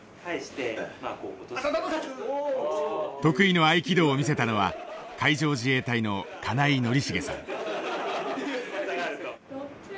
得意の合気道を見せたのは海上自衛隊の金井宣茂さん。